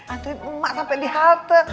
anterin emak sampe dihalte